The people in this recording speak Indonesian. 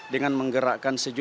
dengan menggerakkan sejumlah